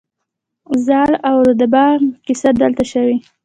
زال او رودابه کیسه دلته شوې